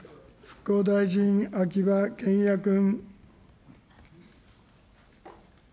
復興大臣、秋葉賢也君。